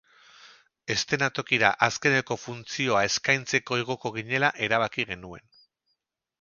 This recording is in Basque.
Eszenatokira azkeneko funtzioa eskaintzeko igoko ginela erabaki genuen.